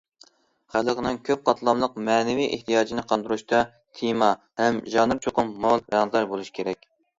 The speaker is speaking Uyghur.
خەلقنىڭ كۆپ قاتلاملىق مەنىۋى ئېھتىياجىنى قاندۇرۇشتا تېما ھەم ژانىر چوقۇم مول، رەڭدار بولۇشى كېرەك.